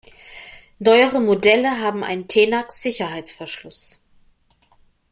Neuere Modelle haben einen "Tenax-Sicherheitsverschluss".